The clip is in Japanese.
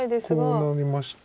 こうなりまして。